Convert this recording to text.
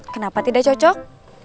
kenapa tidak cocok